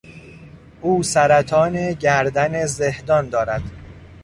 او سرطان گردن زهدان دارد.